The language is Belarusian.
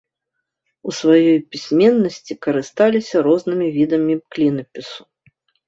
У сваёй пісьменнасці карысталіся рознымі відамі клінапісу.